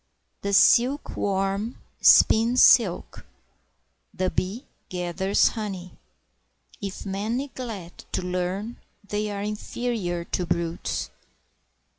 The silkworm spins silk, the bee gathers honey; If men neglect to learn, they are inferior to brutes.